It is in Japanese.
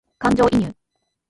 感情移入